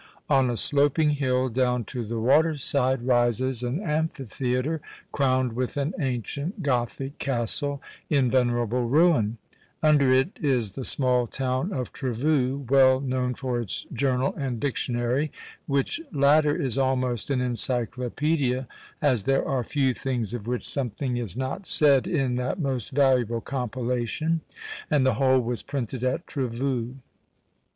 On a sloping hill, down to the water side, rises an amphitheatre, crowned with an ancient Gothic castle, in venerable ruin; under it is the small town of Trevoux, well known for its Journal and Dictionary, which latter is almost an encyclopædia, as there are few things of which something is not said in that most valuable compilation, and the whole was printed at Trevoux.